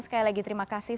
sekali lagi terima kasih